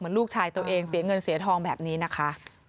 ลูกชายตัวเองเสียเงินเสียทองแบบนี้นะคะ